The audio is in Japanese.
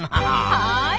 はい。